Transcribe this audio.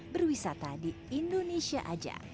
berwisata di indonesia aja